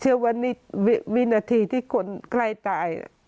เชื่อว่านี่วินาทีที่คนใกล้ตาย